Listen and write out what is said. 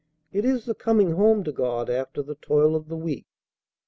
It is the coming home to God after the toil of the week.